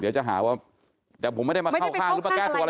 เดี๋ยวจะหาว่าแต่ผมไม่ได้มาเข้าข้างหรือแก้ตัวอะไรคุณโลเบิร์ตนะ